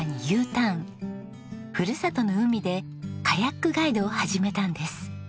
ふるさとの海でカヤックガイドを始めたんです。